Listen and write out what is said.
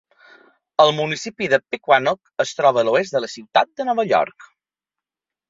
El municipi de Pequannock es troba a l'oest de la ciutat de Nova York.